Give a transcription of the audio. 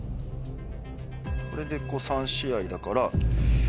これで３試合だから。